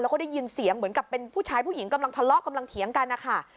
แล้วก็ได้ยินเสียงเหมือนกับเป็นผู้ชายผู้หญิงกำลังทะเลาะกำลังเถียงกันนะคะ